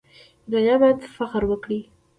ایرانیان باید فخر وکړي.